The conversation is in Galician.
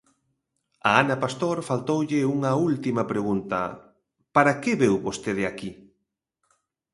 A Ana Pastor faltoulle unha última pregunta: Para que veu vostede aquí?